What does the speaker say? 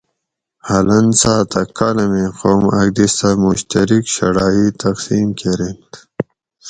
حالاً ساعتہ کالامیں قوم آکدِسہ مشترک شڑائ تقسیم کۤرینت